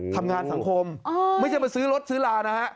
ทำงานสังคมไม่ใช่มาซื้อรถซื้อลานะฮะ